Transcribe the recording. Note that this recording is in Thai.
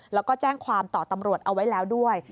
แล้วก็แจ้งความต่อตำรวจเอาไว้แล้วด้วย